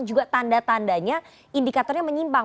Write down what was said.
juga tanda tandanya indikatornya menyimpang